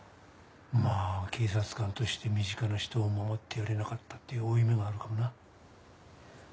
まあ警察官として身近な人を守ってやれなかったっていう負い目があるのかもな。